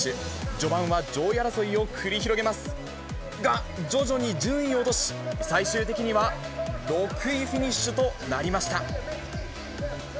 序盤は上位争いを繰り広げますが、徐々に順位を落とし、最終的には６位フィニッシュとなりました。